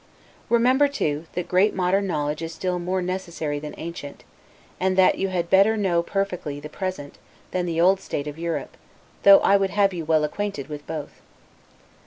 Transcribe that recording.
Remember, too, that great modern knowledge is still more necessary than ancient; and that you had better know perfectly the present, than the old state of Europe; though I would have you well acquainted with both.